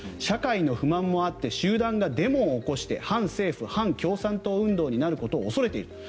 社会の不満もあって集団がデモを起こして反政府・反共産党運動になることを恐れている。